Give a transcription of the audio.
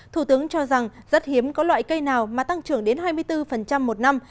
thủ tướng cho rằng rất hiếm có loại cây nào mà tăng trưởng đến hai mươi bốn một năm